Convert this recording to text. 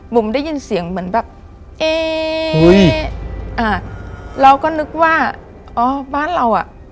ุ่มได้ยินเสียงเหมือนแบบเอ๊อ่าเราก็นึกว่าอ๋อบ้านเราอ่ะ